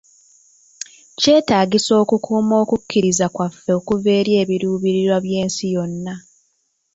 Kyetaagisa okukuuma okukkiriza kwaffe okuva eri ebiruubirirwa by'ensi yonna.